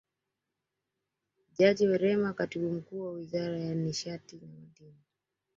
Jaji Werema Katibu Mkuu wa Wizara ya Nishati na Madini